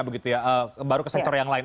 bukan menjadi sebaliknya baru ke sektor yang lain